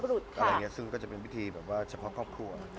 บรรพลุธก็จะพิธีแบบว่าเฉพาะครอบครัว